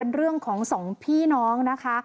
เป็นเรื่องของสองพี่น้องนะคะ